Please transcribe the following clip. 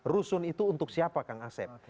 rusun itu untuk siapa kang asep